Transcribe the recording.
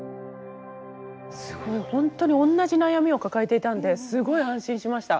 すごい本当におんなじ悩みを抱えていたんですごい安心しました。